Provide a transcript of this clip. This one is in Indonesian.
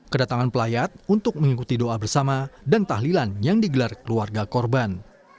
kedatangan pelayat untuk mengikuti doa bersama dan tahlilan yang digelar keluarga korban